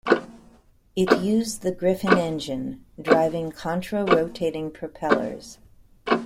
It used the Griffon engine driving contra-rotating propellers.